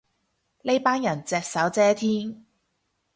呢班人隻手遮天